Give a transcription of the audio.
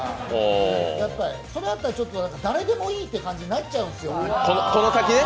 やっぱりそれだったら誰でもいいってことになっちゃうんですよ。